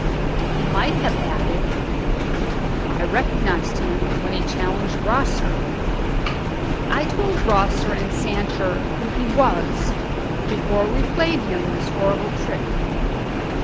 He might have added: "I recognized him when he challenged Rosser. I told Rosser and Sancher who he was before we played him this horrible trick.